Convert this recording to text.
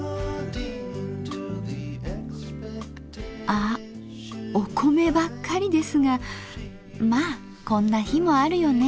あっお米ばっかりですがまあこんな日もあるよね。